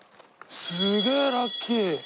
すげえラッキー。